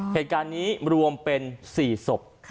เหตุการณ์นี้รวมเป็น๔ศพ